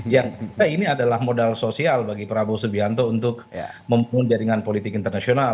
yang ini adalah modal sosial bagi prabowo subianto untuk membangun jaringan politik internasional